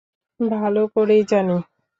ভালো করেই জানি।